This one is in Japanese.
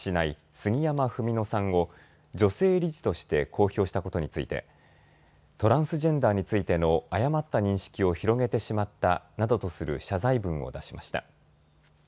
杉山文野さんを女性理事として公表したことについてトランスジェンダーについての誤った認識を広げてしまったなどとする謝罪文を出しました。